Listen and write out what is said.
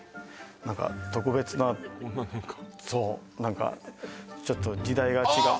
何か特別なこんな何かそう何かちょっと時代があっ！